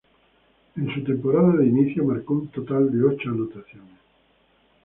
En su temporada de inicio, marcó un total de ocho anotaciones.